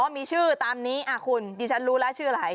อ้อมีชื่อตามนี้อ่าคุณชั้นรู้แล้วชื่ออะไร